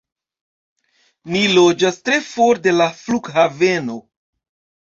Ni loĝas tre for de la flughaveno